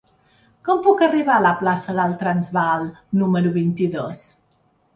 Com puc arribar a la plaça del Transvaal número vint-i-dos?